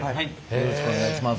よろしくお願いします。